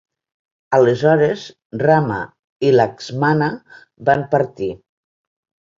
Aleshores Rama i Laksmana van partir.